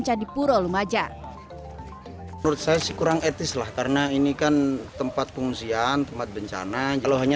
candipuro lumajang proses kurang etis lah karena ini kan tempat pengungsian tempat bencana jauhnya